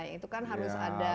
itu kan harus ada